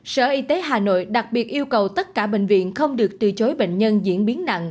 sở y tế hà nội đặc biệt yêu cầu tất cả bệnh viện không được từ chối bệnh nhân diễn biến nặng